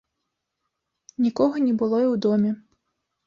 Нікога не было і ў доме.